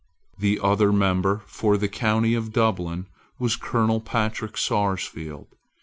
The other member for the county of Dublin was Colonel Patrick Sarsfield.